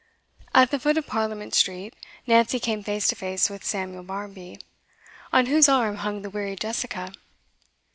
At the foot of Parliament Street, Nancy came face to face with Samuel Barmby, on whose arm hung the wearied Jessica.